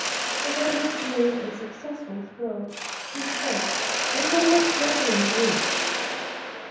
As Edwards made a successful throw, he said, "Bring that horse directly underneath."